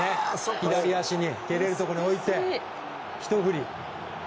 左足の蹴れるところに置いてひと振り。